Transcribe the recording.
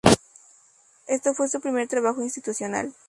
Esto fue su primer trabajo institucional.